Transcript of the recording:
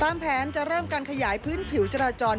แผนจะเริ่มการขยายพื้นผิวจราจร